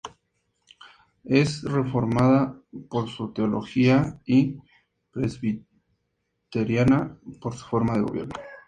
Es reformada por su teología y presbiteriana por su forma de gobierno.